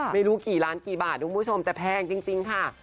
ไม่รู้กี่ล้านกี่บาทคุณผู้ชมแต่แพงจริงค่ะ